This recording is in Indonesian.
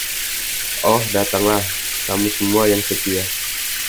Oh, datanglah, kamu semua yang setia.